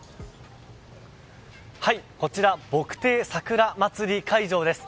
こちら墨堤さくらまつり会場です。